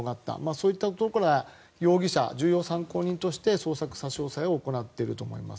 そういったことから容疑者、重要参考人として捜索、差し押さえを行ったと思います。